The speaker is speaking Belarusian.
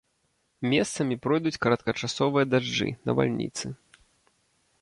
Месцамі пройдуць кароткачасовыя дажджы, навальніцы.